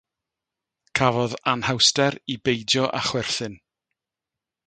Cafodd anhawster i beidio â chwerthin.